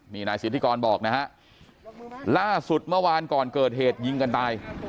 นี่นายสิทธิกรบอกนะฮะล่าสุดเมื่อวานก่อนเกิดเหตุยิงกันตาย